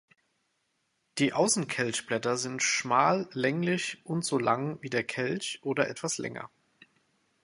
Die Außenkelchblätter sind schmal länglich und so lang wie der Kelch oder etwas länger.